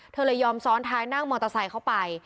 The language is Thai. เธอเลยยอมซ้อนท้ายนั่งมอเตอร์ไซค์เข้าไป